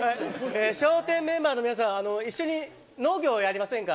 笑点メンバーの皆さん一緒に農業やりませんか？